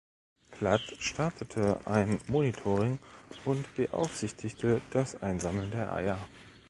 Platt startete ein Monitoring und beaufsichtigte das Einsammeln der Eier.